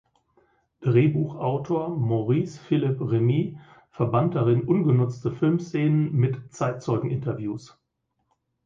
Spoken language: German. Drehbuchautor Maurice Philip Remy verband darin ungenutzte Filmszenen mit Zeitzeugen-Interviews.